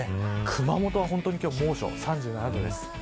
熊本は猛暑、３７度です。